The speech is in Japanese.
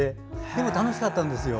でも楽しかったんですよ。